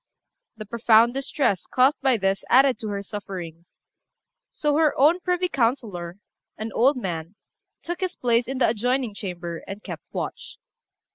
The profound distress caused by this added to her sufferings; so her own privy councillor, an old man, took his place in the adjoining chamber, and kept watch.